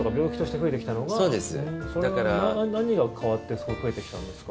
それは、何が変わって増えてきたんですか？